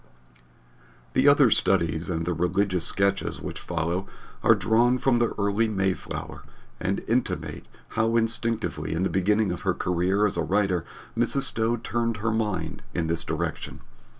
The other Studies and the Religious Sketches which follow are drawn from the early Mayflower and intimate how instinctively in the beginning of her career as a writer Mrs. Stowe turned her mind in this direction.